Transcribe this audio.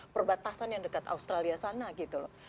perbatasan yang dekat australia sana gitu loh